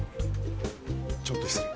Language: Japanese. ちょっと失礼。